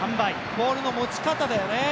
ボールの持ち方だよね。